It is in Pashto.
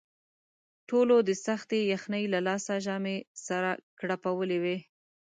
ټولو د سختې یخنۍ له لاسه ژامې سره کړپولې وې.